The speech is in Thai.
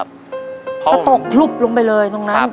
ปิดเท่าไหร่ก็ได้ลงท้ายด้วย๐เนาะ